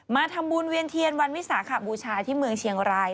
มาทำบุญเวียนเทียนวันวิสาขบูชาที่เมืองเชียงราย